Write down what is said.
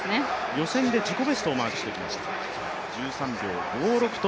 予選で自己ベストをマークしてきました、１３秒５６と